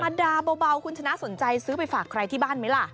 ดาเบาคุณชนะสนใจซื้อไปฝากใครที่บ้านไหมล่ะ